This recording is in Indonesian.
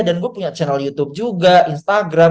dan gue punya channel youtube juga instagram